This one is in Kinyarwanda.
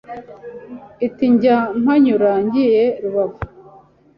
Uti njya mpanyura ngiye rubavu